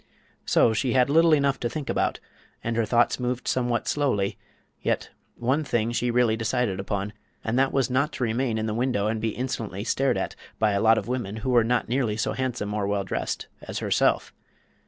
So she had little enough to think about, and her thoughts moved somewhat slowly; yet one thing she really decided upon, and that was not to remain in the window and be insolently stared at by a lot of women who were not nearly so handsome or well dressed as herself.